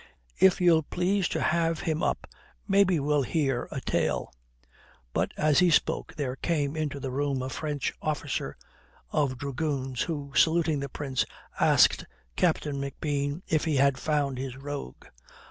If ye'll please to have him up, maybe we'll hear a tale.' "But as he spoke there came into the room a French officer of dragoons, who, saluting the Prince, asked Captain McBean if he had found his rogue.